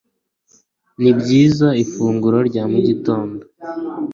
Nibyiza ifunguro rya mugitondo